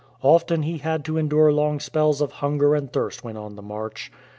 Often he had to endure long spells of hunger and thirst when on the march.